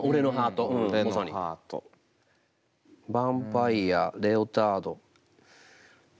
ヴァンパイアレオタード。